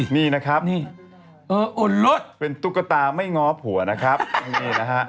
อันนี้เป็นของขวัญวันเกิดสินี่นะครับเป็นตุ๊กตาไม่ง้อผัวนะครับอย่างนี้นะฮะ